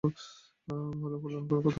ভাল ও কল্যাণকর কথা বল।